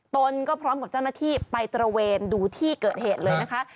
ตนก็พร้อมกับเจ้าหน้าที่ไปตระเวนดูที่เกิดเหตุเลยนะคะ